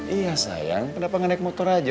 iya sayang kenapa naik motor aja